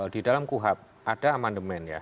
di dalam kuhap ada amandemen ya